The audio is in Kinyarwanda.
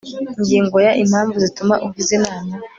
ingingo ya impamvu zituma ugize inama